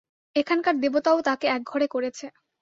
এখানকার দেবতাও তাকে একঘরে করেছে।